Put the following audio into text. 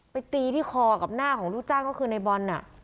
ตีที่คอกับหน้าของลูกจ้างก็คือในบอล